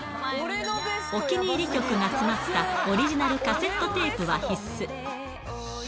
お気に入り曲が詰まったオリジナルカセットテープは必須。